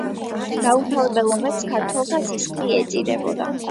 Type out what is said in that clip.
გაუთავებელ ომებს ქართველთა სისხლი ეწირებოდა.